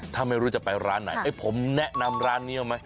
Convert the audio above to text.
ถ้าไม่รู้จะไปร้านไหนผมแนะนำร้านนี้เอาไหม